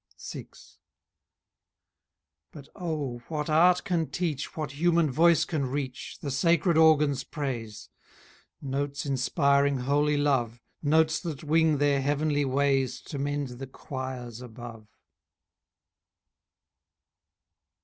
VI. But, oh! what art can teach, What human voice can reach, The sacred organ's praise? Notes inspiring holy love, Notes that wing their heavenly ways To mend the choirs above.